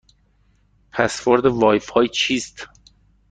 پسورد وای فای چیست؟